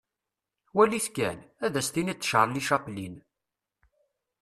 Wali-t kan, ad as-tiniḍ d Charlie Chaplin.